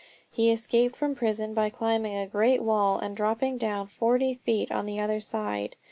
He escaped from prison by climbing a great wall, and dropping down forty feet on the other side.